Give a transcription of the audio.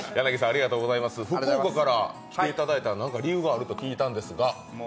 福岡から来ていただいたのには何か理由があると聞いたんですが。